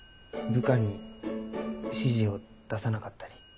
部下に指示を出さなかったり。